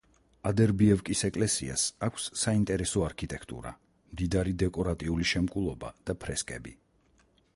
ადერბიევკის ეკლესიას აქვს საინტერესო არქიტექტურა, მდიდარი დეკორატიული შემკულობა და ფრესკები.